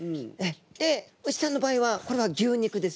で牛さんの場合はこれは牛肉ですね。